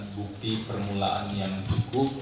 bukti permulaan yang cukup